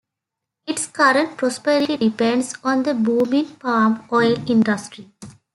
Its current prosperity depends on the booming palm oil industry.